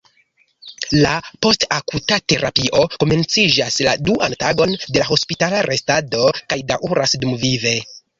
La post-akuta terapio komenciĝas la duan tagon de la hospitala restado kaj daŭras dumvive.